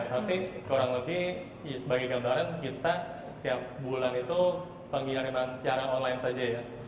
tapi kurang lebih sebagai gambaran kita tiap bulan itu pengiriman secara online saja ya